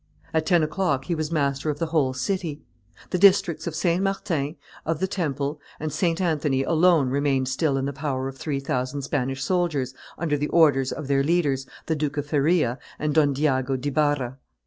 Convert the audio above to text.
At ten o'clock he was master of the whole city; the districts of St. Martin, of the Temple, and St. Anthony alone remained still in the power of three thousand Spanish soldiers under the orders of their leaders, the Duke of Feria and Don Diego d'Ibarra.